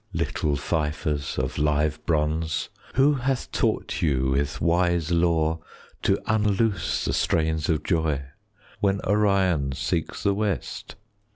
Little fifers of live bronze, Who hath taught you with wise lore To unloose the strains of joy, When Orion seeks the west?